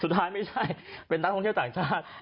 ไม่ใช่เป็นนักท่องเที่ยวต่างชาติ